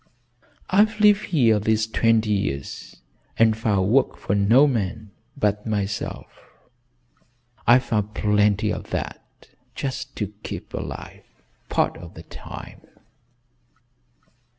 I've lived here these twenty years and found work for no man but myself. I've found plenty of that just to keep alive, part of the time.